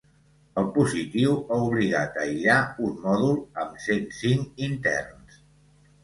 El positiu ha obligat a aïllar un mòdul amb cent cinc interns.